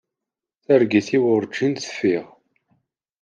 Targit-w urǧin teffiɣ.